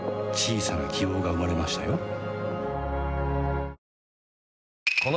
小さな希望が生まれましたよ